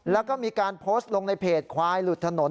แล้วก็มีการโพสต์ลงในเพจควายหลุดถนน